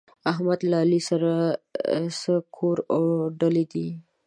احمد له علي سره څه کور اوډلی دی؟!